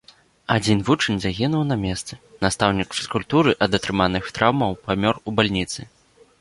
Адзін вучань загінуў на месцы, настаўнік фізкультуры ад атрыманых траўмаў памёр у бальніцы.